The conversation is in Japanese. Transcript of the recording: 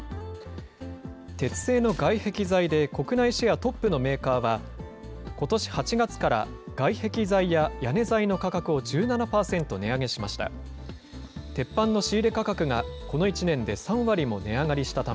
鉄製の外壁材で国内シェアトップのメーカーは、ことし８月から外壁材や屋根材の価格を１７％値上げしました。